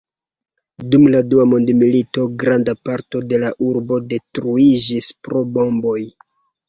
Dum la dua mondmilito granda parto de la urbo detruiĝis pro bomboj.